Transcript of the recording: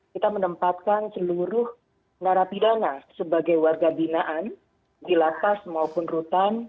kita menempatkan seluruh narapidana sebagai warga binaan di lapas maupun rutan